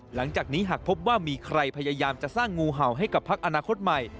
หลังจากนี้หากพบว่ามีใครพยายามจะสร้างงูเห่าให้กับพักอนาคตใหม่